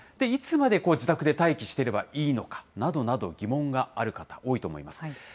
いつまで自宅で待機してればいいのか、などなど、疑問がある方、多いと思います。